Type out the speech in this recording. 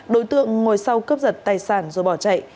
đối tượng ngồi sau cướp giật tài sản rồi bỏ chạy